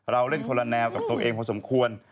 เราเล่นคนละแนวกับตัวเองพอสมควร